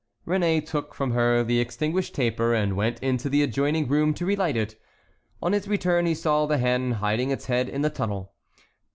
Réné took from her the extinguished taper, and went into the adjoining room to relight it. On his return he saw the hen hiding its head in the tunnel.